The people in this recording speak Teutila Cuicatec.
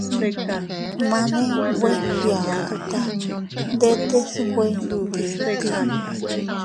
Mane nwe fgiaduta ndetes nwe fgnditi.